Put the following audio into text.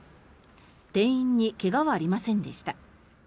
店員に怪我はありませんでした。